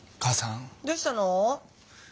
どうしたの？